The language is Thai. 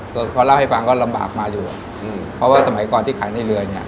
คือเขาเล่าให้ฟังก็ลำบากมาอยู่เพราะว่าสมัยก่อนที่ขายในเรือเนี่ย